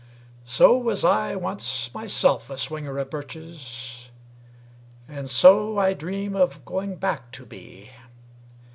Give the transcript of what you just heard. So was I once myself a swinger of birches. And so I dream of going back to be.